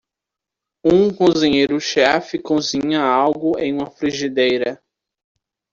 Um cozinheiro chefe cozinha algo em uma frigideira.